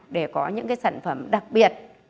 để có những cái sản phẩm đặc biệt